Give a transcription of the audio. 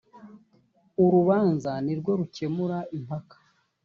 urubanza ni rwo rukemura impaka.